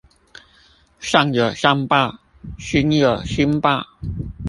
善有善報，星有星爆